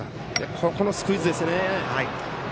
ここのスクイズもですね